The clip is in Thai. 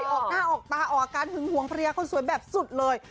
ออกหน้าออกตาออกอาการหึงหวงภรรยาคนสวยแบบสุดเลย